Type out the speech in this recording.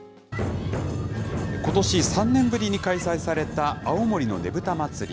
ことし３年ぶりに開催された青森のねぶた祭。